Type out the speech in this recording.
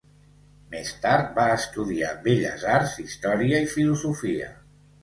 Més tard, va estudiar belles arts, història i filosofia.